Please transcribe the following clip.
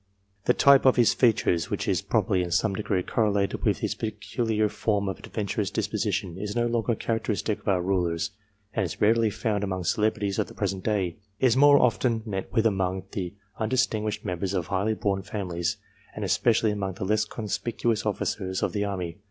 The type of his features, which is, probably, in some degree correlated with his peculiar form of adventurous disposition, is no longer characteristic of our rulers, and is rarely found among celebrities of the present day ; it is more often met with among the undis tinguished members of highly born families, and especially among the less conspicuous officers of the army.